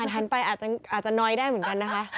หันไปอาจจะน้อยได้เหมือนกันนะคะ